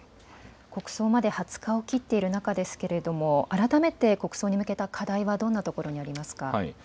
国葬まで２０日を切っている中ですけれども、改めて国葬に向けた課題はどんなところにありますか。